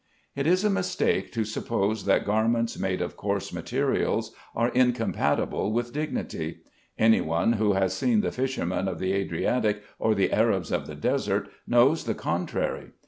It is a mistake to suppose that garments made of coarse materials are incompatible with dignity. Any one who has seen the fishermen of the Adriatic or the Arabs of the desert, knows the contrary.